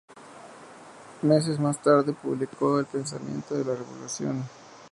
Meses más tarde publicó "El pensamiento de la revolución".